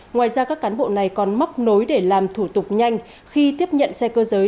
ngoài ra các cán bộ này còn móc nối để làm thủ tục nhanh khi tiếp nhận xe cơ giới